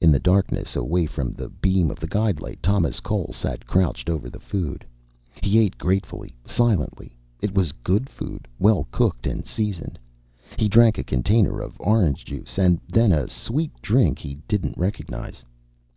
In the darkness, away from the beam of the guide light, Thomas Cole sat crouched over the food. He ate gratefully, silently. It was good food, well cooked and seasoned. He drank a container of orange juice and then a sweet drink he didn't recognize.